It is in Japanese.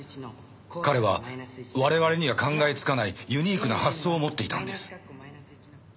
彼は我々には考えつかないユニークな発想を持っていたんです。